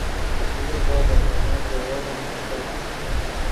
میرغو دے ملن دے یوغون استت